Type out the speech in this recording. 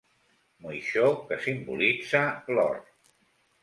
Moixó que simbolitza l'or.